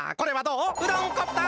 うどんコプター！